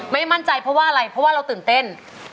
ไม่มั่นใจเพราะว่าอะไรเพราะว่าเราตื่นเต้น